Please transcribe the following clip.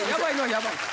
ヤバいで。